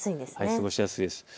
過ごしやすいです。